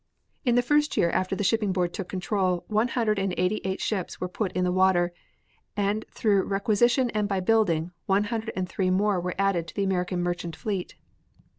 In the first year after the shipping board took control, one hundred and eighty eight ships were put in the water and through requisition and by building, one hundred and three more were added to the American merchant fleet.